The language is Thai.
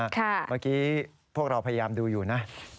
เมื่อกี้พวกเราพยายามดูอยู่นะ